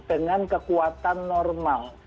dengan kekuatan normal